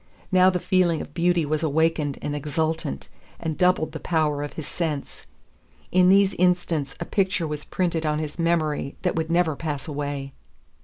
Now the feeling of beauty was awakened and exultant, and doubled the power of his sense. In these instants a picture was printed on his memory that would never pass away.